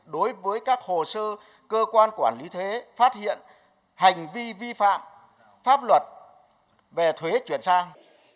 đối với các hồ sơ cơ quan quản lý thuế phát hiện hành vi vi phạm pháp luật về thuế chuyển sang